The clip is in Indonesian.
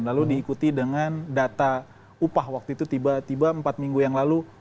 lalu diikuti dengan data upah waktu itu tiba tiba empat minggu yang lalu